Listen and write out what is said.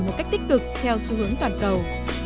một cách tích cực theo xu hướng toàn cầu